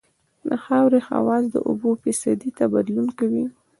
د خاورې خواص د اوبو فیصدي ته بدلون کوي